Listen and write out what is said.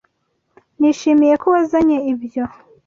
Nishimiye ko wazanye ibyo.